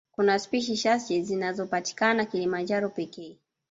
Kuna spishi chache zinazopatikana Kilimanjaro pekee